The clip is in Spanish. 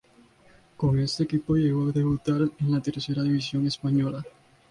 Con este equipo llegó a debutar en la Tercera división española.